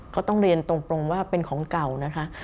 เขาต้องเรียนตรงว่าเป็นของเก่านะคะ